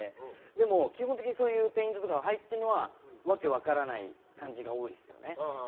でも、基本的にそういうペイントとか入ってるのは訳分からない感じが多いですね。